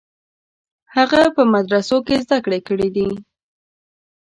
هغه په مدرسو کې زده کړې کړې دي.